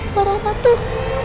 suara apa tuh